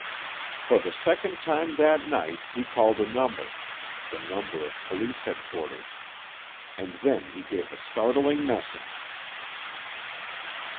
For the second time that night he called a number—the number of police headquarters. And then he gave a startling message.